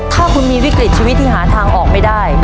ถ้าคุณมีวิกฤตชีวิตที่หาทางออกไม่ได้